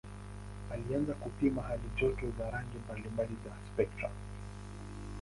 Alianza kupima halijoto za rangi mbalimbali za spektra.